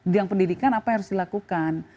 dian pendidikan apa yang harus dilakukan